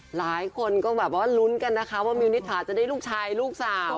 หลายคนก็แบบว่าลุ้นกันนะคะว่ามิวนิษฐาจะได้ลูกชายลูกสาว